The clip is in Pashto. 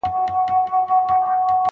ښایي موږ ډېر اتڼ وړاندي کړو.